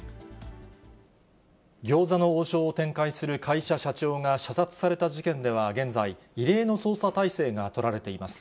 餃子の王将を展開する会社社長が射殺された事件では現在、異例の捜査態勢が取られています。